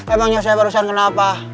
emangnyan saya barusan kenapa